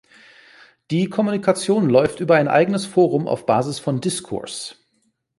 Die Kommunikation läuft über ein eigenes Forum auf Basis von Discourse.